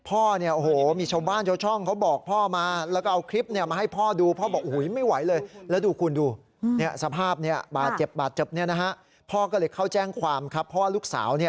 พ่อเนี่ยโอ้โหมีชาวบ้านช่องเขาบอกพ่อมา